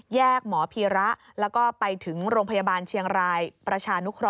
หมอพีระแล้วก็ไปถึงโรงพยาบาลเชียงรายประชานุเคราะ